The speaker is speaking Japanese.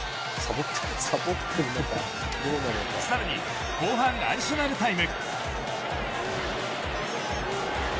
さらに後半アディショナルタイム。